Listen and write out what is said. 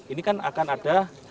ini kan akan ada